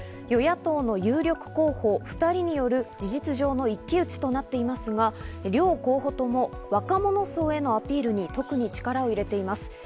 与野党の有力候補２人による事実上の一騎打ちとなっていますが、両候補とも若者層へのアピールに特に力を入れています。